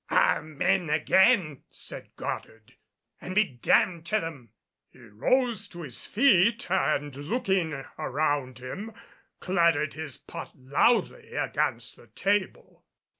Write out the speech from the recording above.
"Amen again," said Goddard, "and be damned to them!" He rose to his feet and looking around him clattered his pot loudly against the table.